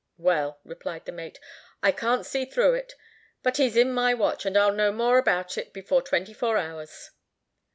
"Well," replied the mate, "I can't see through it; but he's in my watch, and I'll know more about it before twenty four hours."